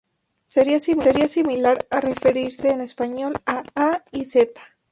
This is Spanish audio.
Sería similar a referirse en español a "A y Z".